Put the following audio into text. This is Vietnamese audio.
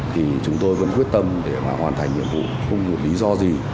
thì chúng tôi vẫn quyết tâm để hoàn thành nhiệm vụ không có lý do gì